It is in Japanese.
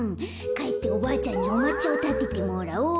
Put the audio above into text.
かえっておばあちゃんにおまっちゃをたててもらおっと。